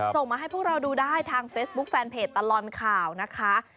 ส่งมาให้พวกเราดูได้ทางเฟซบุ๊คแฟนเพจตลอดข่าวนะคะ